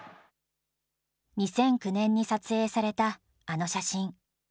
２００９年に撮影されたあの写真。